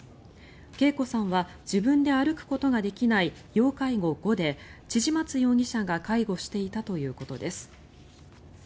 桂子さんは自分で歩くことができない要介護５で千々松容疑者が介護していたということです。